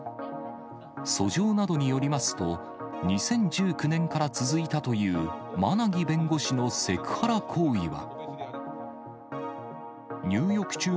訴状などによりますと、２０１９年から続いたという馬奈木弁護士のセクハラ行為は。